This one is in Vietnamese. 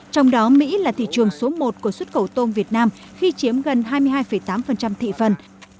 trong đó mỹ là thị trường số một của xuất khẩu tôm việt nam khi chiếm gần hai mươi hai tám thị phần